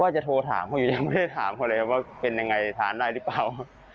จะโทรถามเขาอยู่ยังไม่ได้ถามเขาเลยว่าเป็นยังไงทานได้หรือเปล่า